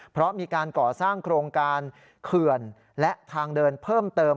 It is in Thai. เพราะมีการก่อสร้างโครงการเขื่อนและทางเดินเพิ่มเติม